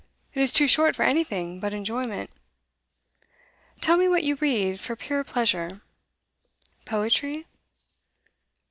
It is too short for anything but enjoyment. Tell me what you read for pure pleasure. Poetry?